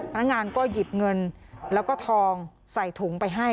พนักงานก็หยิบเงินแล้วก็ทองใส่ถุงไปให้